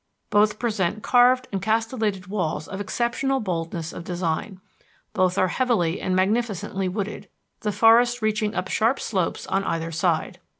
Both present carved and castellated walls of exceptional boldness of design. Both are heavily and magnificently wooded, the forests reaching up sharp slopes on either side.